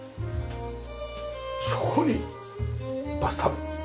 そこにバスタブ。